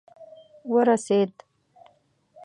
ورسېد.